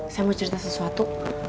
saya mau cerita sesuatu